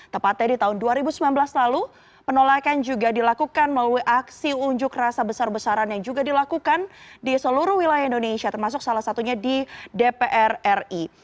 tepatnya di tahun dua ribu sembilan belas lalu penolakan juga dilakukan melalui aksi unjuk rasa besar besaran yang juga dilakukan di seluruh wilayah indonesia termasuk salah satunya di dpr ri